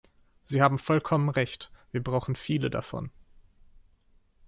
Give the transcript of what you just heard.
Sie haben vollkommen Recht, wir brauchen viele davon.